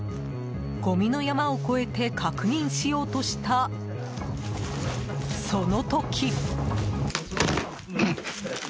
ごみの山を越えて確認しようとしたその時。